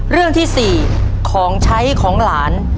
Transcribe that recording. เรื่องที่๔ของใช้ของหลาน